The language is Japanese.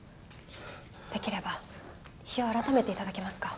できれば日を改めて頂けますか？